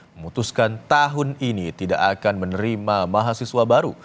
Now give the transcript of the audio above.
memutuskan tahun ini tidak akan menerima mahasiswa baru